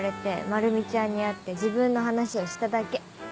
まるみちゃんに会って自分の話をしただけ。